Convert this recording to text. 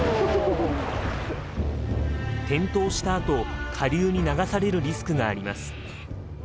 転倒したあと下流に流されるリスクがあります。